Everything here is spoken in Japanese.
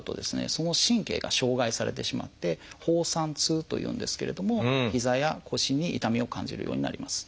その神経が傷害されてしまって「放散痛」というんですけれどもひざや腰に痛みを感じるようになります。